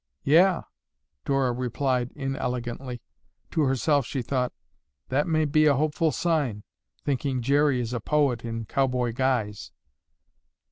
"Yeah!" Dora replied inelegantly. To herself she thought, "That may be a hopeful sign, thinking Jerry is a poet in cowboy guise."